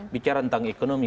bicara tentang ekonomi